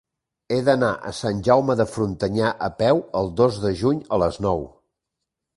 He d'anar a Sant Jaume de Frontanyà a peu el dos de juny a les nou.